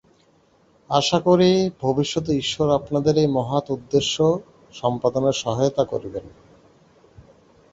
আশা করি, ভবিষ্যতে ঈশ্বর আপনাদের এই মহৎ উদ্দেশ্য-সম্পাদনে সহায়তা করিবেন।